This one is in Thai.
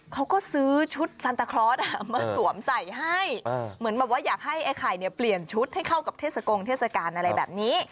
เขาก็ซื้อชุดซันตาคลอสมาสวมใส่ให้เหมือนแบบว่าอยากให้ไอ้ไข่เนี่ยเปลี่ยนชุดให้เข้ากับเทศกงเทศกาลอะไรแบบนี้